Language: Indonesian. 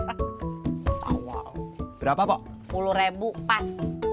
sepuluh ribu pas